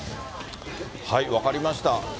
分かりました。